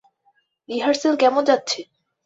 Rehearsal কেমন যাচ্ছে?